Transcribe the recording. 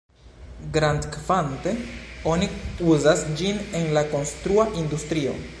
Grandkvante, oni uzas ĝin en la konstrua industrio.